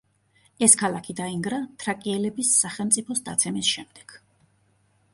ეს ქალაქი დაინგრა თრაკიელების სახელმწიფოს დაცემის შემდეგ.